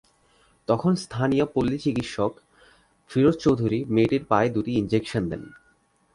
তখন স্থানীয় পল্লি চিকিৎসক ফিরোজ চৌধুরী মেয়েটির পায়ে দুটি ইনজেকশন দেন।